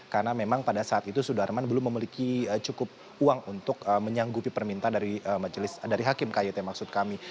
karena memang pada saat itu sudarman belum memiliki cukup uang untuk menyanggupi permintaan dari hakim kyt maksud kami